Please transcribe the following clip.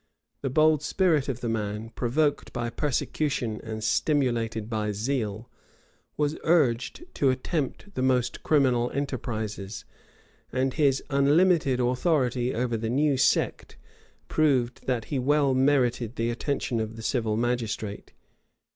The bold spirit of the man, provoked by persecution and stimulated by zeal, was urged to attempt the most criminal enterprises; and his unlimited authority over the new sect proved that he well merited the attention of the civil magistrate.